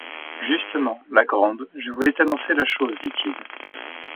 Justement, la Grande, je voulais t’annoncer la chose, dit-il.